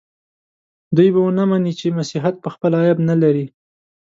دوی به ونه مني چې مسیحیت پخپله عیب نه لري.